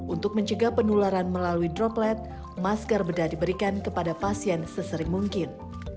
untuk mencegah penularan melalui droplet masker bedah diberikan kepada pasien sesering mungkin